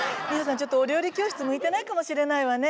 ちょっとお料理教室向いてないかもしれないわね。